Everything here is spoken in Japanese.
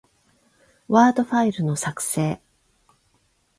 ワードファイルの、作成